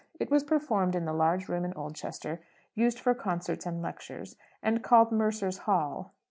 It was performed in the large room in Oldchester, used for concerts and lectures, and called Mercers' Hall.